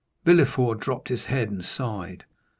Villefort dropped his head and sighed.